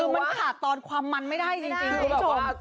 มันขาดตอนความมันไม่ได้จริงจริง